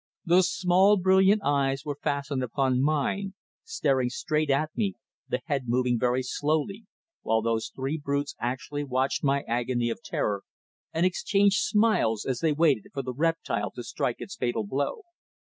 Those small, brilliant eyes were fastened upon mine, staring straight at me, the head moving very slowly, while those three brutes actually watched my agony of terror, and exchanged smiles as they waited for the reptile to strike its fatal blow.